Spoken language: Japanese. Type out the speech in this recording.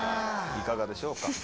いかがでしょうか。